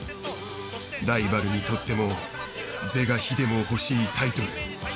ライバルにとっても是が非でも欲しいタイトル。